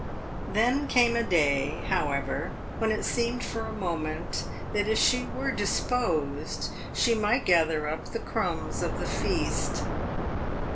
Then came a day, however, when it seemed for a moment that if she were disposed she might gather up the crumbs of the feast.